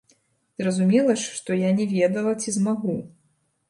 Зразумела ж, што я не ведала ці змагу.